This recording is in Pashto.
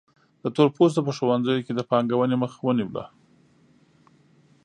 د تور پوستو په ښوونځیو کې د پانګونې مخه ونیوله.